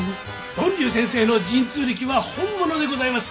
呑龍先生の神通力は本物でございます！